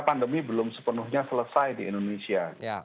pandemi belum sepenuhnya selesai di indonesia